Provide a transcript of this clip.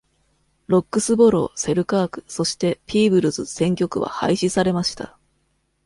ロックスボロー、セルカーク、そしてピーブルズ選挙区は廃止されました。